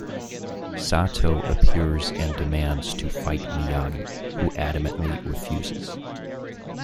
Sato appears and demands to fight Miyagi, who adamantly refuses.